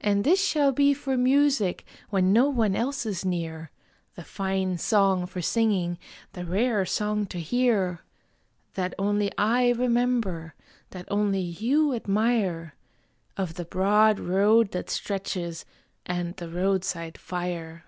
And this shall be for music when no one else is near The fine song for singing, the rare song to hear! That only I remember, that only you admire, Of the broad road that stretches and the roadside fire.